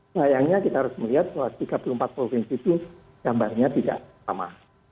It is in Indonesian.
sayangnya kita harus melihat bahwa tiga puluh empat provinsi itu gambarnya tidak sama